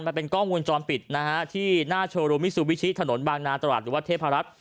มันเป็นกล้องวงจรปิดนะฮะที่หน้าโชว์รูมิซูบิชิถนนบางนาตราดหรือว่าเทพรัฐ